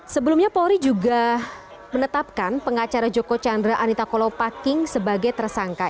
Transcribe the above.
sebelumnya polri juga menetapkan pengacara joko chandra anita kolopaking sebagai tersangka